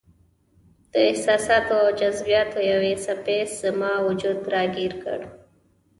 د احساساتو او جذباتو یوې څپې زما وجود راګیر کړ.